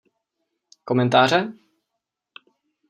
Komentáře?